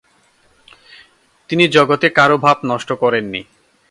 তিনি জগতে কারও ভাব নষ্ট করেননি।